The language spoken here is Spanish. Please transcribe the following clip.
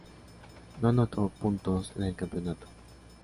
No anotó puntos en el campeonato.